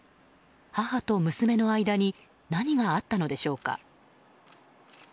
母と娘の間に何があったのでしょうか。